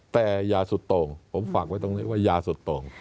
แต่ยาสุดตรงผมฝากไว้ตรงนี้ว่ายาสุดตรง